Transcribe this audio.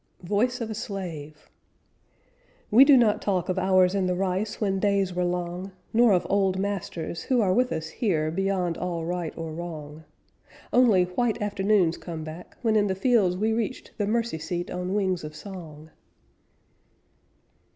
Voice of a Slave "We do not talk Of hours in the rice When days were long, Nor of old masters Who are with us here Beyond all right or wrong. Only white afternoons come back, When in the fields We reached the Mercy Seat On wings of song."